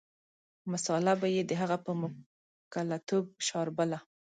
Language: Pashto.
مساله به یې د هغه په موکلتوب شاربله.